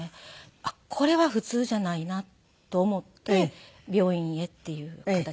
あっこれは普通じゃないなと思って病院へっていう形でした。